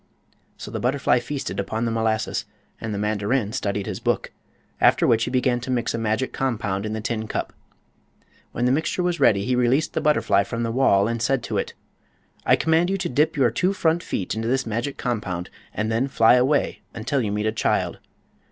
So the butterfly feasted upon the molasses and the mandarin studied his book, after which he began to mix a magic compound in the tin cup. When the mixture was ready he released the butterfly from the wall and said to it: "I command you to dip your two front feet into this magic compound and then fly away until you meet a child.